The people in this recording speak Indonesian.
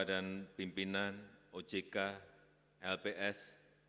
dan pimpinan ojk lps